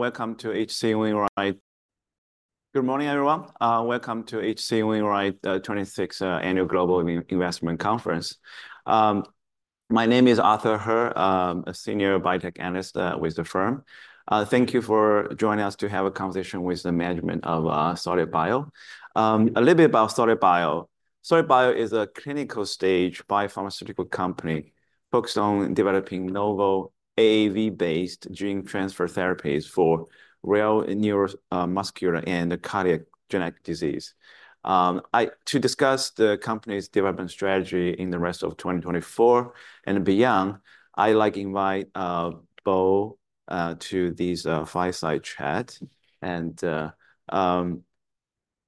Welcome to H.C. Wainwright. Good morning, everyone. Welcome to H.C. Wainwright, twenty-sixth Annual Global Investment Conference. My name is Arthur He, a Senior Biotech Analyst with the firm. Thank you for joining us to have a conversation with the management of Solid Bio. A little bit about Solid Bio. Solid Bio is a clinical-stage biopharmaceutical company focused on developing novel AAV-based gene transfer therapies for rare neuromuscular and cardiac genetic disease. To discuss the company's development strategy in the rest of 2024 and beyond, I'd like to invite Bo to this fireside chat, and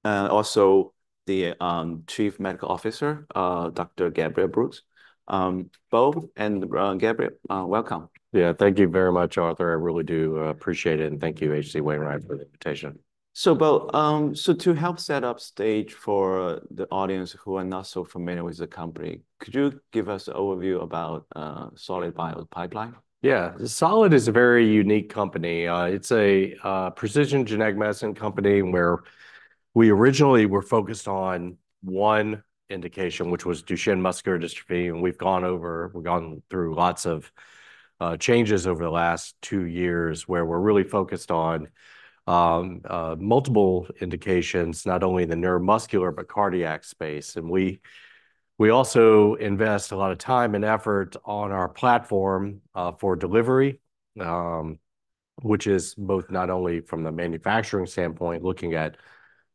also the Chief Medical Officer, Dr. Gabriel Brooks. Bo and Gabriel, welcome. Yeah, thank you very much, Arthur. I really do appreciate it, and thank you, H.C. Wainwright, for the invitation. Bo, to help set the stage for the audience who are not so familiar with the company, could you give us an overview about Solid Biosciences' pipeline? Yeah. Solid is a very unique company. It's a precision genetic medicine company, where we originally were focused on one indication, which was Duchenne muscular dystrophy, and we've gone through lots of changes over the last two years, where we're really focused on multiple indications, not only in the neuromuscular, but cardiac space. And we also invest a lot of time and effort on our platform for delivery, which is both not only from the manufacturing standpoint, looking at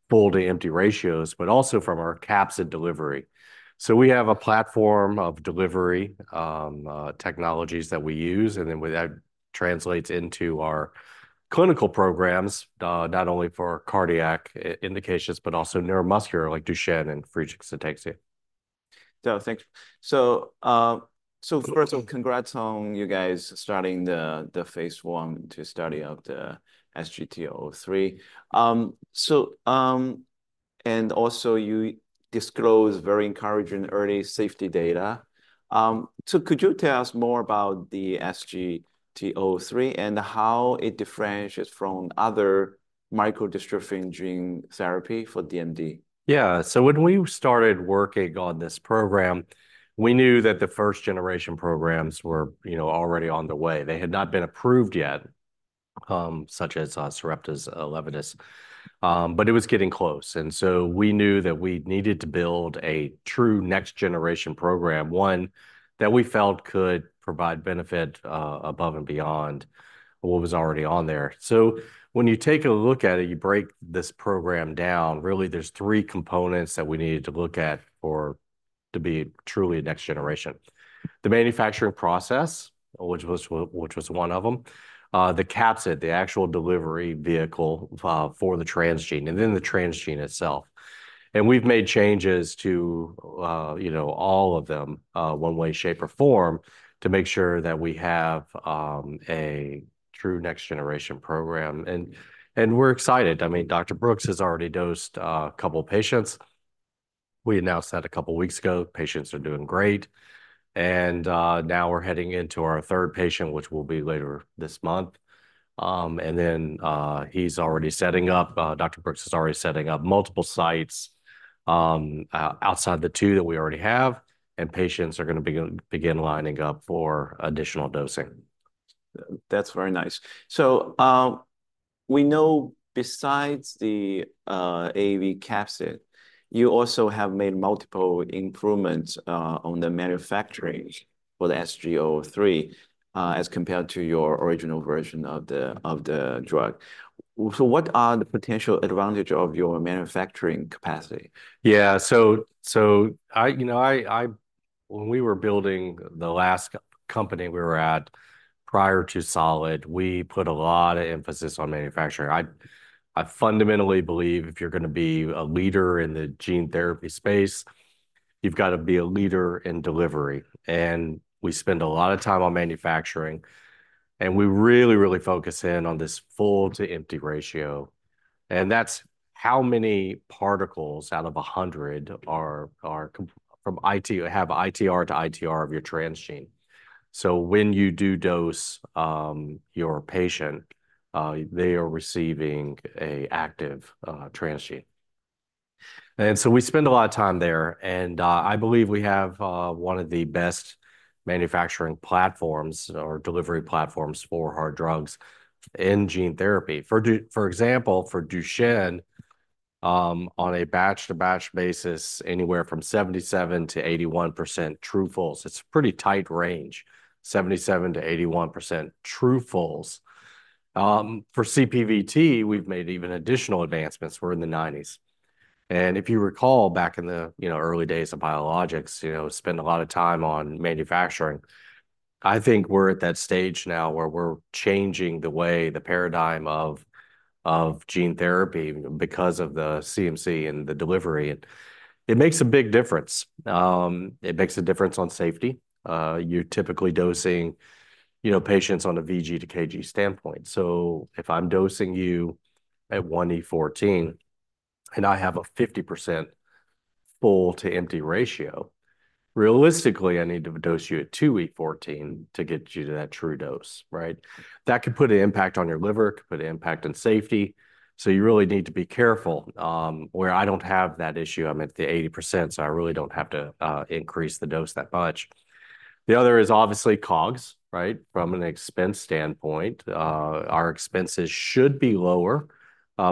full-to-empty ratios, but also from our capsid delivery. So we have a platform of delivery technologies that we use, and then that translates into our clinical programs, not only for cardiac indications, but also neuromuscular, like Duchenne and Friedreich's ataxia. Thank you. First of all, congrats on you guys starting the phase I to study of SGT-003. And also you disclosed very encouraging early safety data. Could you tell us more about SGT-003 and how it differentiates from other Micro-dystrophin gene therapy for DMD? Yeah. So when we started working on this program, we knew that the first-generation programs were, you know, already on the way. They had not been approved yet, such as Sarepta's Elevidys, but it was getting close. And so we knew that we needed to build a true next-generation program, one that we felt could provide benefit above and beyond what was already on there. So when you take a look at it, you break this program down, really, there's three components that we needed to look at for it to be truly next generation. The manufacturing process, which was one of them, the capsid, the actual delivery vehicle for the transgene, and then the transgene itself. We've made changes to, you know, all of them, one way, shape, or form, to make sure that we have a true next-generation program. And we're excited. I mean, Dr. Brooks has already dosed a couple patients. We announced that a couple weeks ago. Patients are doing great, and now we're heading into our third patient, which will be later this month. And then he's already setting up. Dr. Brooks is already setting up multiple sites outside the two that we already have, and patients are gonna begin lining up for additional dosing. That's very nice. So, we know, besides the AAV capsid, you also have made multiple improvements on the manufacturing for the SGT-003, as compared to your original version of the drug. So what are the potential advantage of your manufacturing capacity? Yeah, so, you know, I... When we were building the last company we were at prior to Solid, we put a lot of emphasis on manufacturing. I fundamentally believe if you're gonna be a leader in the gene therapy space, you've got to be a leader in delivery, and we spend a lot of time on manufacturing, and we really, really focus in on this full to empty ratio. And that's how many particles out of a hundred are complete from ITR to ITR of your transgene. So when you do dose your patient, they are receiving a active transgene. And so we spend a lot of time there, and I believe we have one of the best manufacturing platforms or delivery platforms for our drugs in gene therapy. For example, for Duchenne, on a batch-to-batch basis, anywhere from 77%-81% full to empty. It's a pretty tight range, 77%-81% full to empty. For CPVT, we've made even additional advancements. We're in the 90s. And if you recall, back in the early days of biologics, you know, spend a lot of time on manufacturing. I think we're at that stage now where we're changing the way, the paradigm of gene therapy because of the CMC and the delivery, and it makes a big difference. It makes a difference on safety. You're typically dosing, you know, patients on a vg/kg standpoint. So if I'm dosing you at 1E14, and I have a 50%- Full-to-empty ratio, realistically, I need to dose you at 2e14 to get you to that true dose, right? That could put an impact on your liver, could put an impact on safety, so you really need to be careful. Where I don't have that issue, I'm at the 80%, so I really don't have to increase the dose that much. The other is obviously COGS, right? From an expense standpoint, our expenses should be lower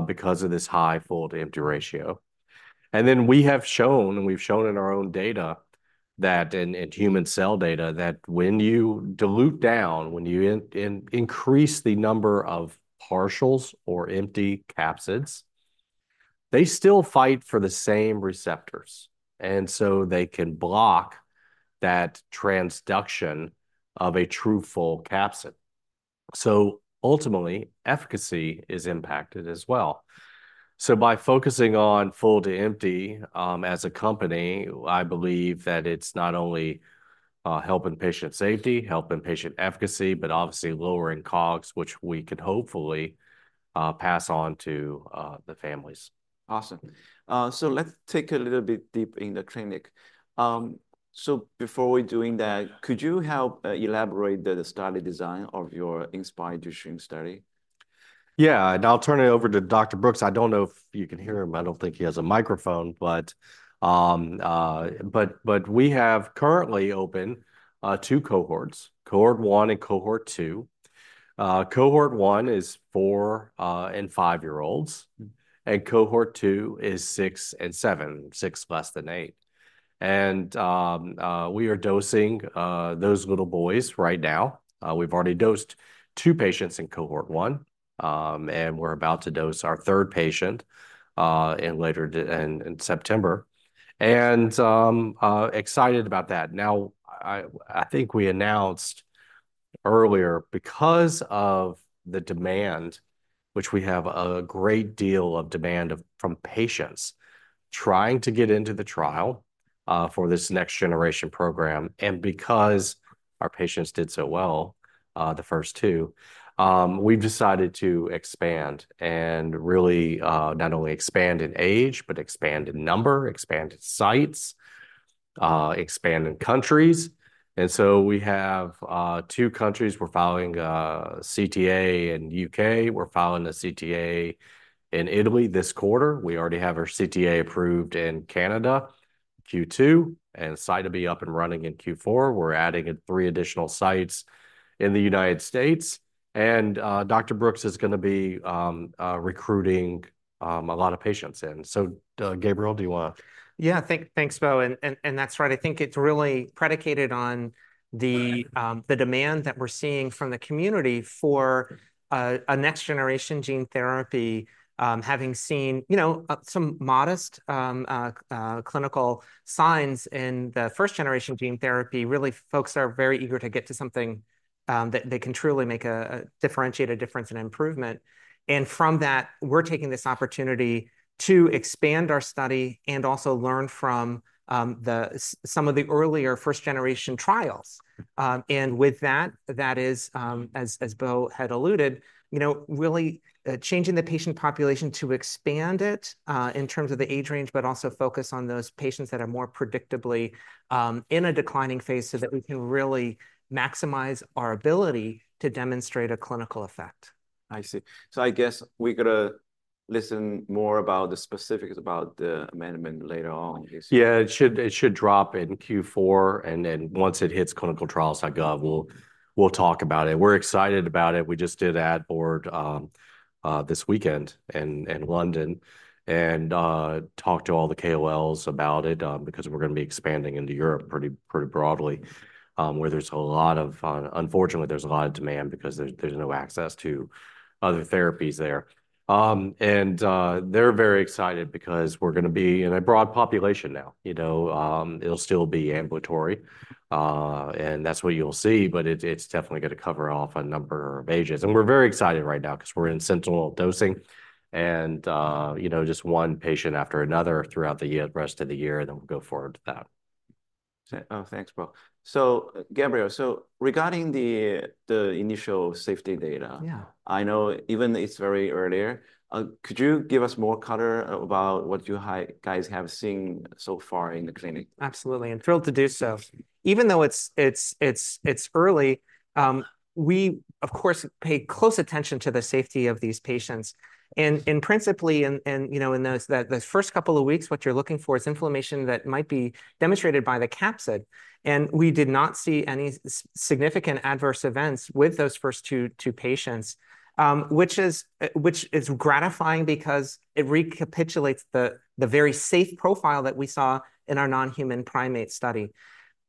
because of this high full-to-empty ratio. And then we have shown, and we've shown in our own data, and in human cell data, that when you dilute down, when you increase the number of partials or empty capsids, they still fight for the same receptors, and so they can block that transduction of a true full capsid. So ultimately, efficacy is impacted as well. So by focusing on full-to-empty, as a company, I believe that it's not only helping patient safety, helping patient efficacy, but obviously lowering COGS, which we could hopefully pass on to the families. Awesome. So let's take a little bit deep in the clinic. So before we doing that, could you help elaborate the study design of your INSPIRE Duchenne study? Yeah, and I'll turn it over to Dr. Brooks. I don't know if you can hear him. I don't think he has a microphone, but we have currently open two cohorts, cohort one and cohort two. Cohort one is four and five-year-olds, and cohort two is six and seven, six less than eight. We are dosing those little boys right now. We've already dosed two patients in cohort one, and we're about to dose our third patient in later in September, and excited about that. Now, I think we announced earlier, because of the demand, which we have a great deal of demand from patients trying to get into the trial, for this next generation program, and because our patients did so well, the first two, we've decided to expand, and really, not only expand in age, but expand in number, expand in sites, expand in countries. And so we have two countries. We're filing CTA in U.K. We're filing a CTA in Italy this quarter. We already have our CTA approved in Canada, Q2, and site to be up and running in Q4. We're adding in three additional sites in the United States, and Dr. Brooks is gonna be recruiting a lot of patients in. So, Gabriel, do you wanna- Yeah, thanks, Bo, and that's right. I think it's really predicated on the demand that we're seeing from the community for a next generation gene therapy. Having seen, you know, clinical signs in the first-generation gene therapy, really, folks are very eager to get to something that they can truly make a differentiated difference and improvement. And from that, we're taking this opportunity to expand our study and also learn from some of the earlier first-generation trials. And with that, that is, as Bo had alluded, you know, really changing the patient population to expand it in terms of the age range, but also focus on those patients that are more predictably in a declining phase, so that we can really maximize our ability to demonstrate a clinical effect. I see. So I guess we're gonna listen more about the specifics about the amendment later on, I guess. Yeah, it should drop in Q4, and then once it hits ClinicalTrials.gov, we'll talk about it. We're excited about it. We just did ad hoc this weekend in London, and talked to all the KOLs about it, because we're gonna be expanding into Europe pretty broadly, where there's a lot of... unfortunately, there's a lot of demand because there's no access to other therapies there. And they're very excited because we're gonna be in a broad population now, you know? It'll still be ambulatory, and that's what you'll see, but it's definitely gonna cover off a number of ages. And we're very excited right now 'cause we're in sentinel dosing and, you know, just one patient after another throughout the year, rest of the year, then we'll go forward with that. Oh, thanks, Bo. So Gabriel, so regarding the initial safety data- Yeah. I know even it's very early. Could you give us more color about what you guys have seen so far in the clinic? Absolutely, and thrilled to do so. Even though it's early, we, of course, pay close attention to the safety of these patients, and principally, you know, in those first couple of weeks, what you're looking for is inflammation that might be demonstrated by the capsid. And we did not see any significant adverse events with those first two patients, which is gratifying because it recapitulates the very safe profile that we saw in our non-human primate study.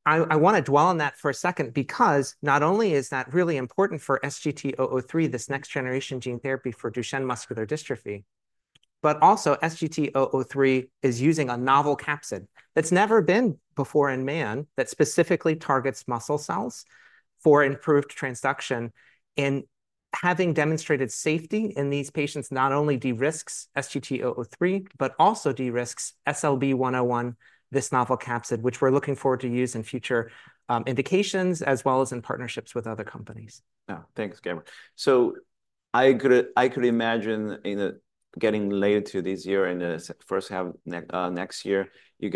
I wanna dwell on that for a second because not only is that really important for SGT-003, this next-generation gene therapy for Duchenne muscular dystrophy, but also SGT-003 is using a novel capsid that's never been before in man, that specifically targets muscle cells for improved transduction. Having demonstrated safety in these patients, not only de-risks SGT-003, but also de-risks SLB101, this novel capsid, which we're looking forward to use in future indications, as well as in partnerships with other companies. Oh, thanks, Gabriel. So... I could imagine in the latter half of this year, in the H1 of next year, we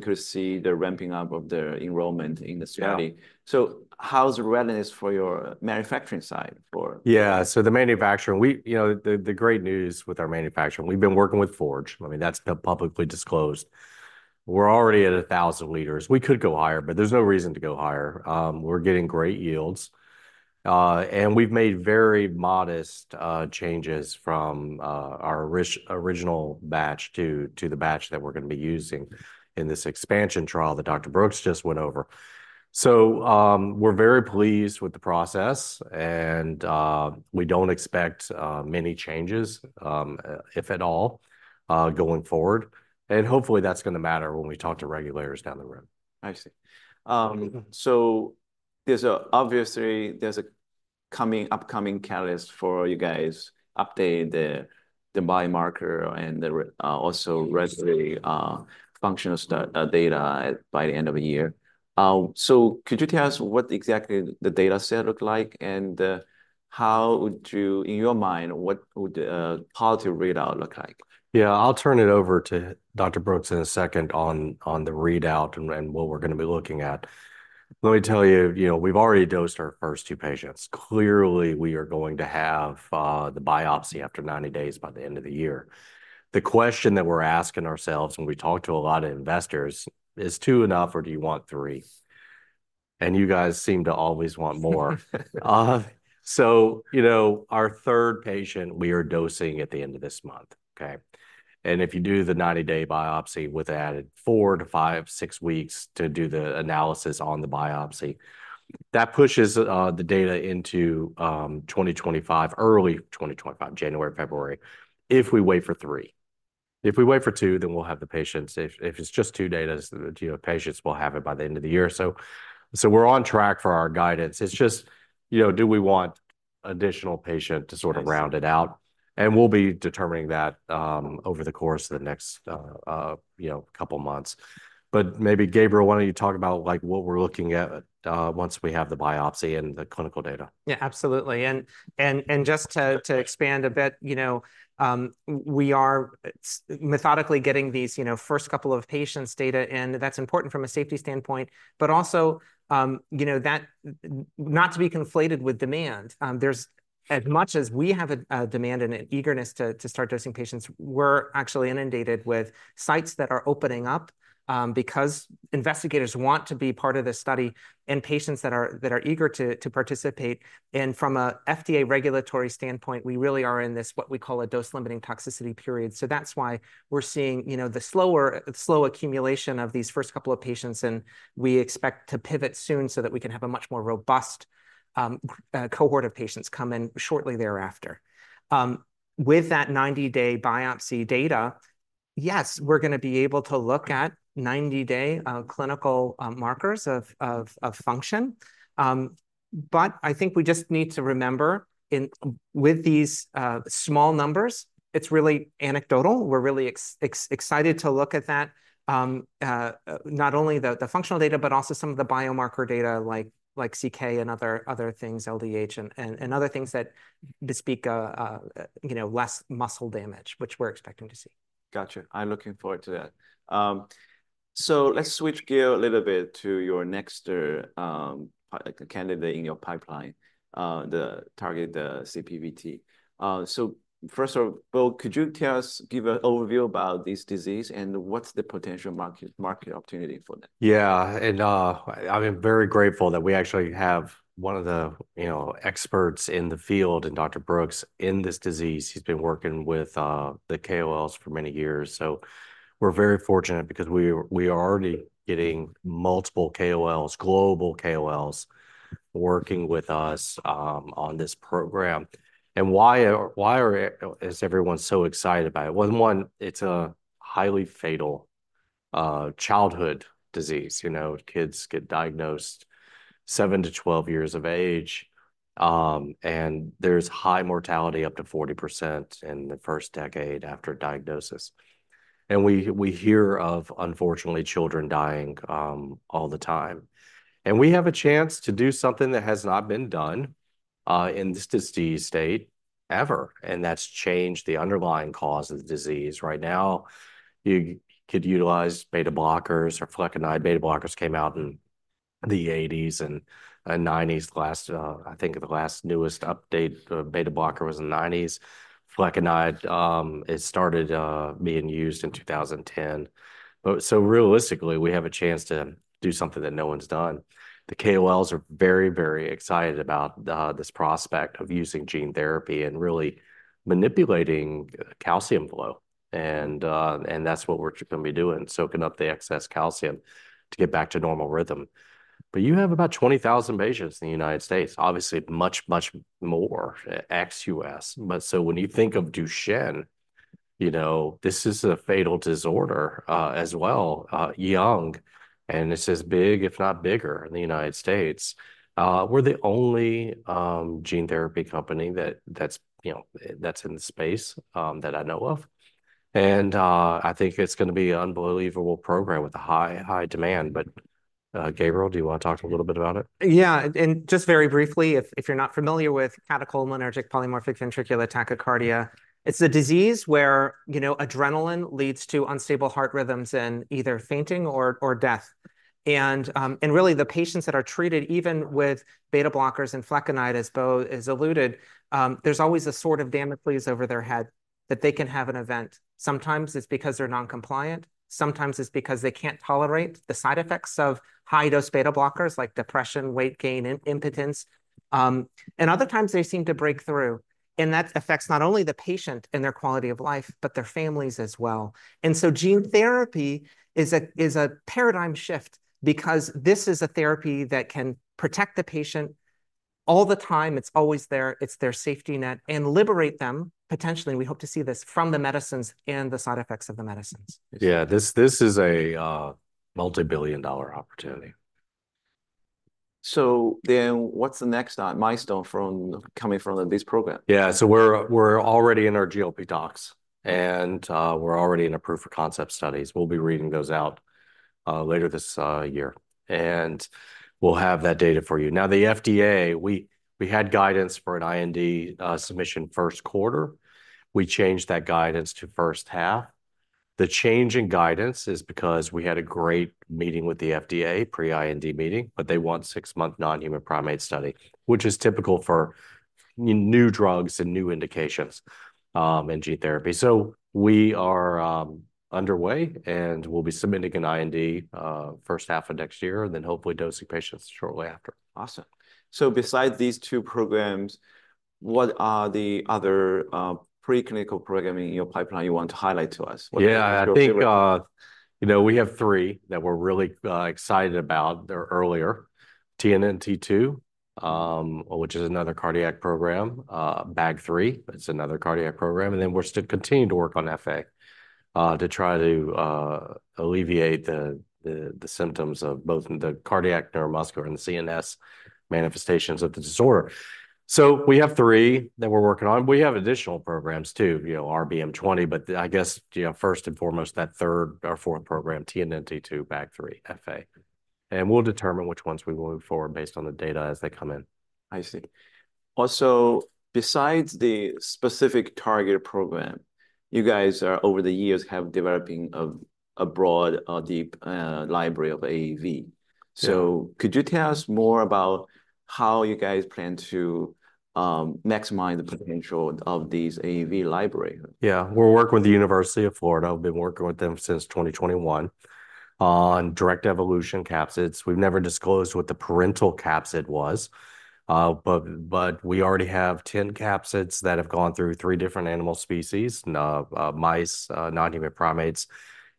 could see the ramping up of the enrollment in the study. Yeah. So how's the readiness for your manufacturing side for? Yeah, so the manufacturing, we, you know, the great news with our manufacturing, we've been working with Forge. I mean, that's been publicly disclosed. We're already at a thousand liters. We could go higher, but there's no reason to go higher. We're getting great yields, and we've made very modest changes from our original batch to the batch that we're gonna be using in this expansion trial that Dr. Brooks just went over. So, we're very pleased with the process, and we don't expect many changes, if at all, going forward. And hopefully, that's gonna matter when we talk to regulators down the road. I see. So there's obviously a coming, upcoming catalyst for you guys, update the biomarker and the regulatory functional status data by the end of the year. So could you tell us what exactly the data set look like, and how would you... In your mind, what would the positive readout look like? Yeah, I'll turn it over to Dr. Brooks in a second on the readout and what we're gonna be looking at. Let me tell you, you know, we've already dosed our first two patients. Clearly, we are going to have the biopsy after 90 days by the end of the year. The question that we're asking ourselves when we talk to a lot of investors, "Is two enough, or do you want three?" You guys seem to always want more. So you know, our third patient, we are dosing at the end of this month, okay? And if you do the 90-day biopsy with added four to five, six weeks to do the analysis on the biopsy, that pushes the data into 2025, early 2025, January, February, if we wait for three. If we wait for two, then we'll have the patients. If it's just two doses, you know, patients, we'll have it by the end of the year. So we're on track for our guidance. It's just, you know, do we want additional patient to sort of- Yes... round it out? And we'll be determining that over the course of the next, you know, couple months. But maybe, Gabriel, why don't you talk about, like, what we're looking at once we have the biopsy and the clinical data? Yeah, absolutely. And just to expand a bit, you know, we are methodically getting these, you know, first couple of patients' data, and that's important from a safety standpoint, but also, you know, not to be conflated with demand. There's, as much as we have a demand and an eagerness to start dosing patients, we're actually inundated with sites that are opening up, because investigators want to be part of this study and patients that are eager to participate. And from a FDA regulatory standpoint, we really are in this, what we call a dose-limiting toxicity period. So that's why we're seeing, you know, the slow accumulation of these first couple of patients, and we expect to pivot soon so that we can have a much more robust cohort of patients come in shortly thereafter. With that 90-day biopsy data, yes, we're gonna be able to look at 90-day clinical markers of function. But I think we just need to remember with these small numbers, it's really anecdotal. We're really excited to look at that, not only the functional data, but also some of the biomarker data, like CK and other things, LDH and other things that bespeak a, you know, less muscle damage, which we're expecting to see. Gotcha. I'm looking forward to that. So let's switch gear a little bit to your next candidate in your pipeline, the target, the CPVT. So first of all, could you tell us, give an overview about this disease, and what's the potential market opportunity for that? Yeah, and I'm very grateful that we actually have one of the, you know, experts in the field, in Dr. Brooks, in this disease. He's been working with the KOLs for many years, so we're very fortunate because we are already getting multiple KOLs, global KOLs, working with us on this program. And why is everyone so excited about it? One, it's a highly fatal childhood disease. You know, kids get diagnosed seven to 12 years of age, and there's high mortality, up to 40% in the first decade after diagnosis. We hear of, unfortunately, children dying all the time. We have a chance to do something that has not been done in this disease state ever, and that's change the underlying cause of the disease. Right now, you could utilize beta blockers, or flecainide. Beta blockers came out in the eighties and nineties last. I think the last newest update, the beta blocker was in nineties. Flecainide, it started being used in 2010. But, so realistically, we have a chance to do something that no one's done. The KOLs are very, very excited about this prospect of using gene therapy and really manipulating calcium flow, and that's what we're gonna be doing, soaking up the excess calcium to get back to normal rhythm. But you have about twenty thousand patients in the United States, obviously much, much more ex-US. But so when you think of Duchenne, you know, this is a fatal disorder, as well, young, and it's as big, if not bigger, in the United States. We're the only gene therapy company that, you know, that's in the space that I know of, and I think it's gonna be an unbelievable program with a high, high demand. Gabriel, do you want to talk a little bit about it? Yeah, and just very briefly, if you're not familiar with Catecholaminergic Polymorphic Ventricular Tachycardia, it's a disease where, you know, adrenaline leads to unstable heart rhythms and either fainting or death. And really, the patients that are treated, even with beta blockers and flecainide, as Bo has alluded, there's always a sword of Damocles over their head, that they can have an event. Sometimes it's because they're non-compliant, sometimes it's because they can't tolerate the side effects of high-dose beta blockers, like depression, weight gain, and impotence. And other times, they seem to break through, and that affects not only the patient and their quality of life, but their families as well. And so gene therapy is a paradigm shift because this is a therapy that can protect the patient all the time. It's always there, it's their safety net, and liberate them, potentially, we hope to see this, from the medicines and the side effects of the medicines. Yeah, this is a multi-billion-dollar opportunity. So then, what's the next milestone coming from this program? Yeah, so we're already in our GLP docs, and we're already in our proof-of-concept studies. We'll be reading those out later this year, and we'll have that data for you. Now, the FDA, we had guidance for an IND submission Q1. We changed that guidance to H1. The change in guidance is because we had a great meeting with the FDA, pre-IND meeting, but they want a six-month non-human primate study, which is typical for new drugs and new indications in gene therapy, so we are underway, and we'll be submitting an IND H1 of next year, and then hopefully dosing patients shortly after. Awesome. So besides these two programs, what are the other preclinical programs in your pipeline you want to highlight to us? What- Yeah, I think, you know, we have three that we're really excited about. They're earlier. TNNT2, which is another cardiac program, BAG3, it's another cardiac program, and then we're still continuing to work on FA, to try to alleviate the symptoms of both the cardiac, neuromuscular, and the CNS manifestations of the disorder. So we have three that we're working on. We have additional programs, too, you know, RBM20, but I guess, you know, first and foremost, that third or fourth program, TNNT2, BAG3, FA, and we'll determine which ones we move forward based on the data as they come in. I see. Also, besides the specific targeted program, you guys are, over the years, have developing a broad, deep library of AAV. Yeah. Could you tell us more about how you guys plan to maximize the potential of this AAV library? Yeah. We're working with the University of Florida. We've been working with them since 2021 on directed evolution capsids. We've never disclosed what the parental capsid was, but we already have 10 capsids that have gone through three different animal species, mice, non-human primates,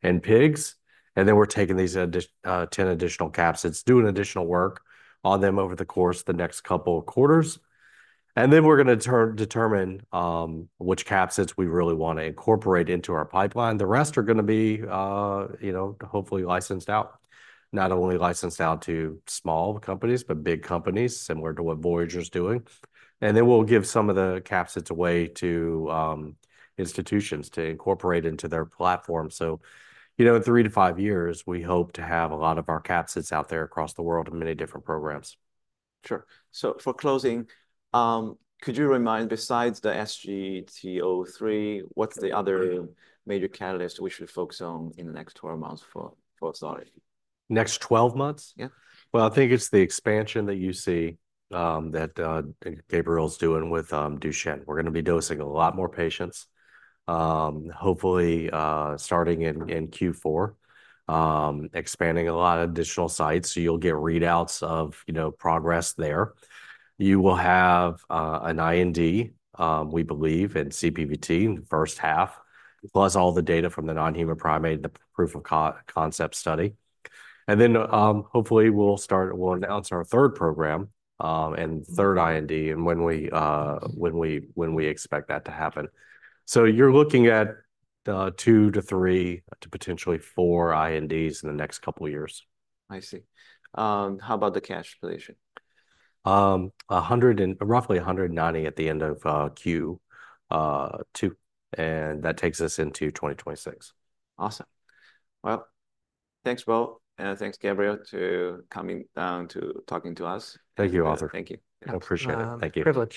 and pigs. And then we're taking these additional 10 capsids, doing additional work on them over the course of the next couple of quarters, and then we're going to determine which capsids we really want to incorporate into our pipeline. The rest are going to be, you know, hopefully licensed out. Not only licensed out to small companies, but big companies, similar to what Voyager's doing. And then we'll give some of the capsids away to institutions to incorporate into their platform. You know, in three to five years, we hope to have a lot of our capsids out there across the world in many different programs. Sure. So for closing, could you remind, besides the SGT-003, what's the other major catalyst we should focus on in the next 12 months for Zai Lab? Next 12 months? Yeah. I think it's the expansion that you see that Gabriel's doing with Duchenne. We're going to be dosing a lot more patients, hopefully, starting in Q4, expanding a lot of additional sites, so you'll get readouts of, you know, progress there. You will have an IND, we believe, in CPVT in the H1, plus all the data from the non-human primate and the proof of concept study. Then, hopefully, we'll announce our third program and third IND, and when we expect that to happen. You're looking at two to three, to potentially four INDs in the next couple of years. I see. How about the cash position? Roughly a 190 at the end of Q2, and that takes us into twenty twenty-six. Awesome. Thanks, Bo, and thanks, Gabriel, to coming down to talking to us. Thank you, Arthur. Thank you. I appreciate it. Thank you. Privileged.